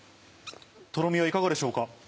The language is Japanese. トロミはいかがでしょうか？